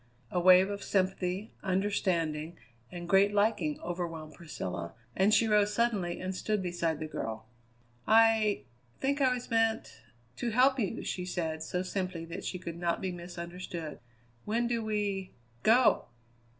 A wave of sympathy, understanding, and great liking overwhelmed Priscilla, and she rose suddenly and stood beside the girl. "I think I was meant to help you," she said so simply that she could not be misunderstood. "When do we go?"